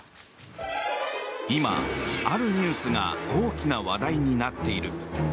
今、あるニュースが大きな話題になっている。